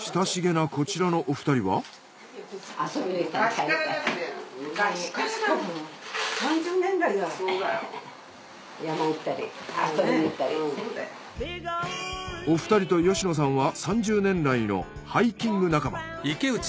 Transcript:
親しげなお二人と吉野さんは３０年来のハイキング仲間。